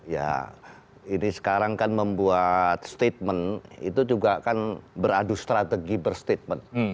ya ini sekarang kan membuat statement itu juga kan beradu strategi berstatement